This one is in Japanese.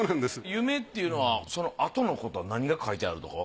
夢っていうのはそのあとのことは何が書いてあるとかは？